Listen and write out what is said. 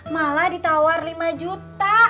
malah ditawar lima juta